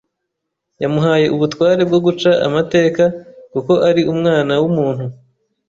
yamuhaye ubutware bwo guca amateka kuko ari Umwana w’Umuntu.”